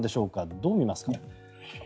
どう見ますか？